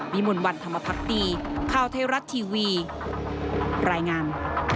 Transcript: วิมวลวันธรรมภักดีข้าวเทราะทีวีรายงาน